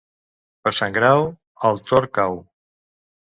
Per Sant Grau, el tord cau.